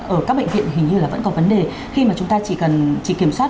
ở các bệnh viện hình như là vẫn còn vấn đề khi mà chúng ta chỉ kiểm soát